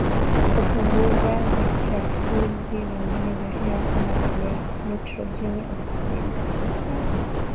hupunguza vichafuzi vingine vya hewa kama vile nitrojeni oksidi